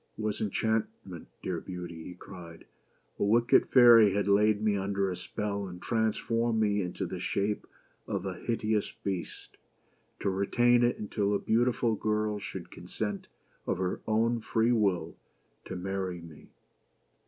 " It was enchantment, dear Beauty," he cried. "A wicked fairy had laid me under a spell, and transformed me into the shape of a hideous Beast ; to retain it until a beautiful girl should consent, 'of her own free will, to marry me.